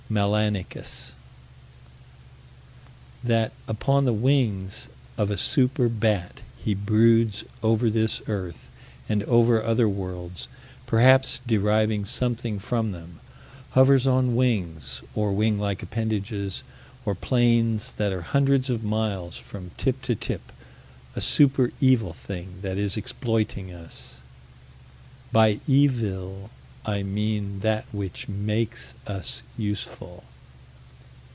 Melanicus. That upon the wings of a super bat, he broods over this earth and over other worlds, perhaps deriving something from them: hovers on wings, or wing like appendages, or planes that are hundreds of miles from tip to tip a super evil thing that is exploiting us. By Evil I mean that which makes us useful.